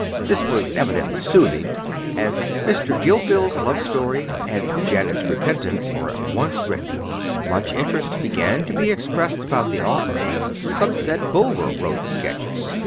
This was evidently soothing, as Mr. Gilfil's Love Story and Janet's Repentance were at once written. Much interest began to be expressed about the author. Some said Bulwer wrote the sketches.